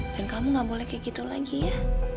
dan kamu gak boleh kayak gitu lagi ya